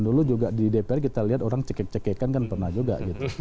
dulu juga di dpr kita lihat orang cekek cekekan kan pernah juga gitu